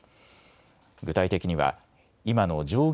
具体的には今の上限